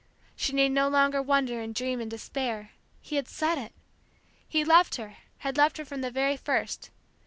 She need no longer wonder and dream and despair: he had said it. He loved her, had loved her from the very first.